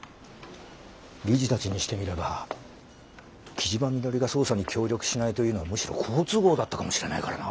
理事たちにしてみれば木嶋みのりが捜査に協力しないというのはむしろ好都合だったかもしれないからな。